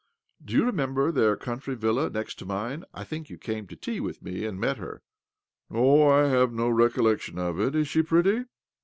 Do you remember their country villa, next to mine? I think you came to tea with me and met her there? "" No, I have no recollection of it. Is she pretty?